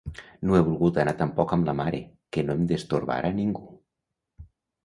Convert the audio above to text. No he volgut anar tampoc amb la mare, que no em destorbara ningú...